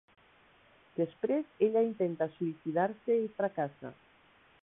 Després ella intenta suïcidar-se i fracassa.